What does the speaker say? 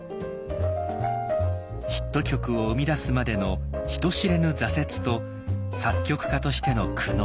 ヒット曲を生み出すまでの人知れぬ挫折と作曲家としての苦悩。